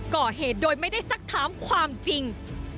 ก่อเหตุโดยไม่ได้สักถามความจริง